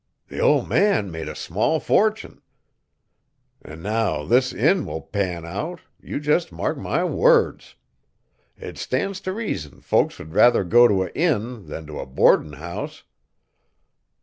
The old man made a small fortin. An' now this inn will pan out, you jest mark my words. It stands t' reason folks would rather go to a inn than to a boardin' house!"